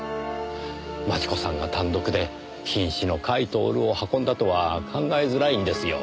真智子さんが単独で瀕死の甲斐享を運んだとは考えづらいんですよ。